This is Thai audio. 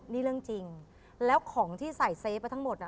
นี่เรื่องจริงแล้วของที่ใส่เซฟไปทั้งหมดอ่ะ